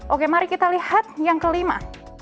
oke mari kita lihat yang kelima